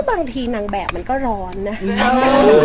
บางทีนางแบบมันก็ร้อนนะ